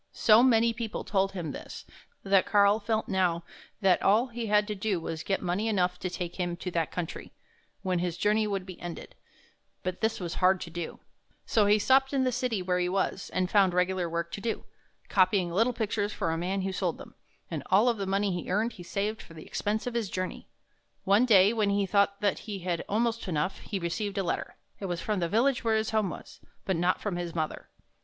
So many people told him this, that Karl felt now that all he had to do was to get money enough to take him to that country, when his journey would be ended; but this was hard to do. 55 THE HUNT FOR THE BEAUTIFUL So he stopped in the city where he was, and found regular work to do, copying little pictures for a man who sold them; and all the money he earned, he saved for the expense of his journey. One day, when he thought that he had almost enough, he received a letter. It was from the village where his home was, but not from his mother.